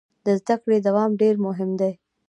د زده کړې دوام ډیر مهم دی.